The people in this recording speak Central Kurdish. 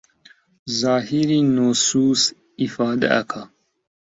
زاهیری نوسووس ئیفادە ئەکا